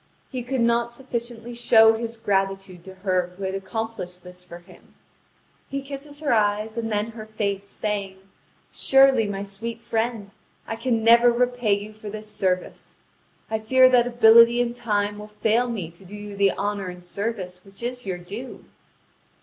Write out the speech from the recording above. He could not sufficiently show his gratitude to her who had accomplished this for him. He kisses her eyes, and then her face, saying: "Surely, my sweet friend, I can never repay you for this service. I fear that ability and time will fail me to do you the honour and service which is your due."